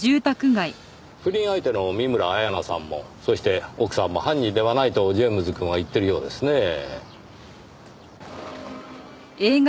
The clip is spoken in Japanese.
不倫相手の見村彩那さんもそして奥さんも犯人ではないとジェームズくんは言ってるようですねぇ。